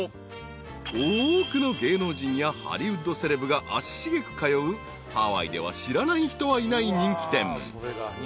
［多くの芸能人やハリウッドセレブが足しげく通うハワイでは知らない人はいない人気店］